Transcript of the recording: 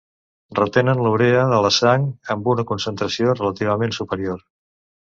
Retenen la urea a la sang amb una concentració relativament superior.